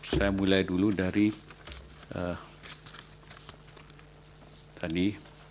saya mulai dulu dari tadi